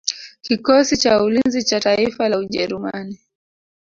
Kikosi cha ulinzi cha taifa la Ujerumani